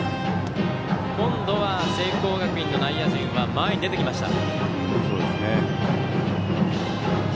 今度は聖光学院の内野陣は前に出てきました。